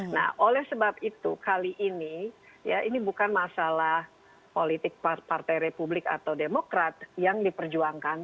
nah oleh sebab itu kali ini ya ini bukan masalah politik partai republik atau demokrat yang diperjuangkan